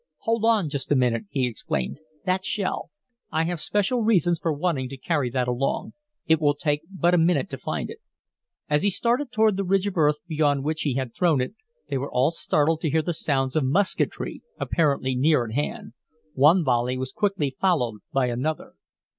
"Hold on just a minute!" he exclaimed. "That shell! I have special reasons for wanting to carry that along. It will take but a minute to find it." As he started toward the ridge of earth beyond which he had thrown it, they were all startled to hear the sounds of musketry apparently near at hand. One volley was quickly followed by another.